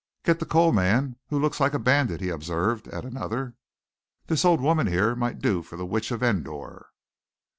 "Get the coal man who looks like a bandit," he observed at another. "This old woman here might do for the witch of Endor."